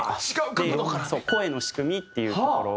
で声の仕組みっていうところ。